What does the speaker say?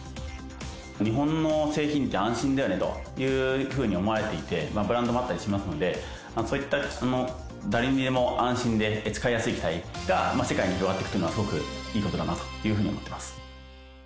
日本の製品って安心だよねというふうに思われていて、ブランドもあったりしますので、そういった、誰にでも安心で使いやすい機体が世界に広がっていくというのは、すごくいいことだなというふうに思ってます。